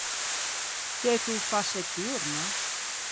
T’eu ch’ô fasse torna?